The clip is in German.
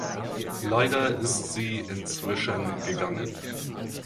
Leider ist sie inzwischen gegangen.